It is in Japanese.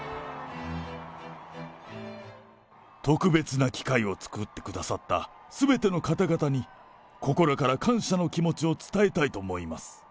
特別な機会を作ってくださったすべての方々に、心から感謝の気持ちを伝えたいと思います。